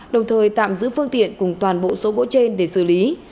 đồng thời tạm giữ phương tiện cùng toàn bộ số gỗ trên để xử lý